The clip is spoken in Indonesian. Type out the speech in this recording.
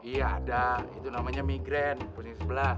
iya ada itu namanya migren puning sebelah